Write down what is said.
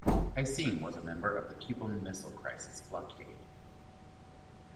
Hissem was a member of the Cuban Missile Crisis blockade.